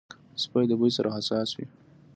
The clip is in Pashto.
سپي د بوی سره حساس وي.